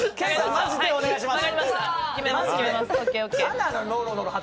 マジでお願いします。